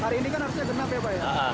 hari ini kan harusnya genap ya pak ya